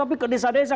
tapi ke desa desa